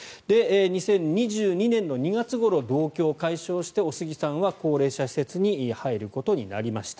２０２２年の２月ごろ同居を解消しておすぎさんは高齢者施設に入ることになりました。